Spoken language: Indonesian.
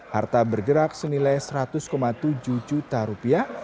harta bergerak senilai seratus tujuh juta rupiah